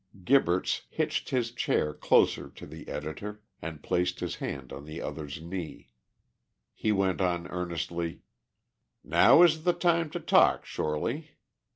Gibberts hitched his chair closer to the editor, and placed his hand on the other's knee. He went on earnestly "Now is the time to talk, Shorely.